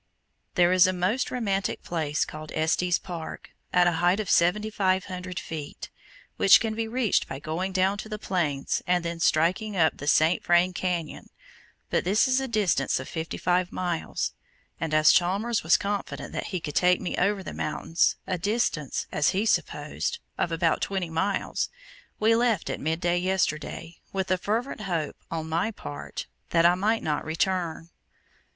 There is a most romantic place called Estes Park, at a height of 7,500 feet, which can be reached by going down to the plains and then striking up the St. Vrain Canyon, but this is a distance of fifty five miles, and as Chalmers was confident that he could take me over the mountains, a distance, as he supposed, of about twenty miles, we left at mid day yesterday, with the fervent hope, on my part, that I might not return.